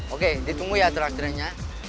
oke ditunggu ya terakhirnya